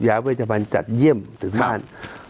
ยาวิทยาภาพจัดเยี่ยมถึงบ้าน